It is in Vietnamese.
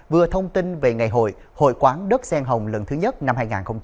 vừa thông tin về ngày hội hội quán đất sen hồng lần thứ nhất năm hai nghìn hai mươi